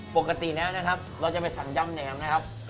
ปกติแล้วนะครับเราจะไปสั่งยำแหนมนะครับ